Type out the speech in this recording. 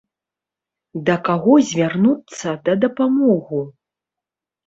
Да каго звярнуцца да дапамогу?